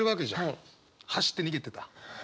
走って逃げてた？